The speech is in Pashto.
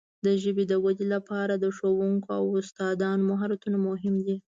د ژبې د وده لپاره د ښوونکو او استادانو مهارتونه مهم دي.